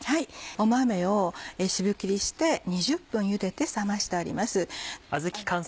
豆をしぶ切りして２０分ゆでて冷ましてあります。